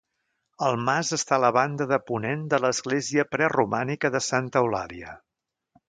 El mas està a la banda de ponent de l'església preromànica de Santa Eulàlia.